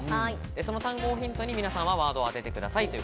その単語をヒントに皆さんはワードを当ててください。